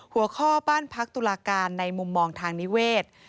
หัวข้อบ้านพักตุลาการในมุมมองทางนิเวศ